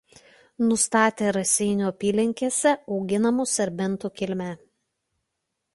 Nustatė Raseinių apylinkėse auginamų serbentų kilmę.